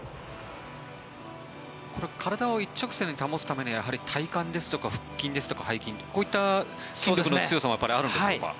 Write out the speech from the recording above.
これ体を一直線に保つためには体幹ですとか腹筋ですとか背筋とかこういった筋肉の強さもありますか？